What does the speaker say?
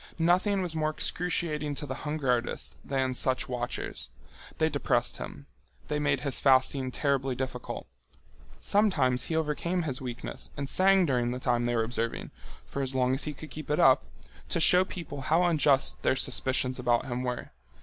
Nothing was more excruciating to the hunger artist than such watchers. They depressed him. They made his fasting terribly difficult. Sometimes he overcame his weakness and sang during the time they were observing, for as long as he could keep it up, to show people how unjust their suspicions about him were.